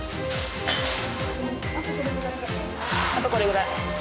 あとこれぐらい？